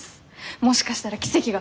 もしかしたら奇跡が。